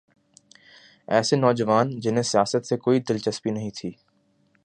ایسے نوجوان جنہیں سیاست سے کوئی دلچسپی نہیں تھی۔